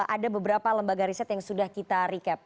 ada beberapa lembaga riset yang sudah kita recap